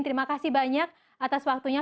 terima kasih banyak atas waktunya